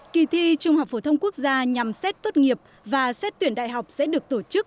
kỳ thi trung học phổ thông quốc gia nhằm xét tốt nghiệp và xét tuyển đại học sẽ được tổ chức